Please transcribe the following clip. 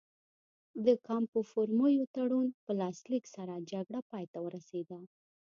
د کامپو فورمیو تړون په لاسلیک سره جګړه پای ته ورسېده.